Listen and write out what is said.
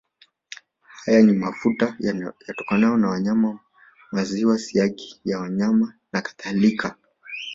Haya ni mafuta yatokanayo na wanyama maziwa siagi ya wanyama nakadhalika